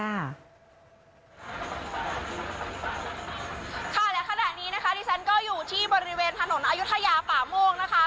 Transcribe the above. ค่ะและขณะนี้นะคะที่ฉันก็อยู่ที่บริเวณถนนอายุทยาป่าโมกนะคะ